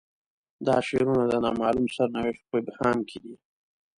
دا شعارونه د نا معلوم سرنوشت په ابهام کې دي.